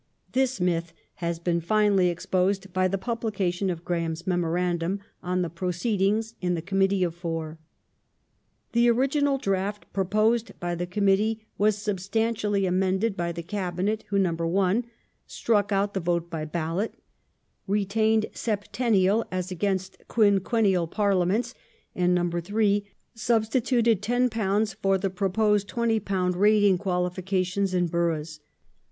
^ This myth has been finally exposed by the publication of Graham's Memorandum on the proceedings in the Committee of Four.^ The original draft proposed by the Committee was substantially amended by the Cabinet who (1) struck out the vote by ballot ; (2) retained septennial as against quinquennial Parliaments ; and (3) substituted £10 for the proposed £20 rating qualification in boroughs.